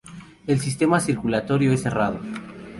El sistema circulatorio es cerrado.